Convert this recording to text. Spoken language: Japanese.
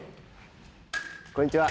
こんにちは。